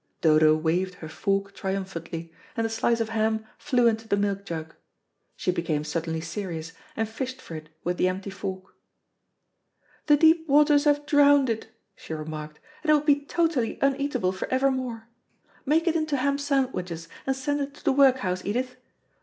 Dodo waved her fork triumphantly, and the slice of ham flew into the milk jug. She became suddenly serious, and fished for it with the empty fork. "The deep waters have drowned it," she remarked, "and it will be totally uneatable for evermore. Make it into ham sandwiches and send it to the workhouse, Edith.